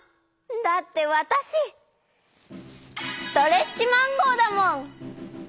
だってわたしストレッチマンゴーだもん！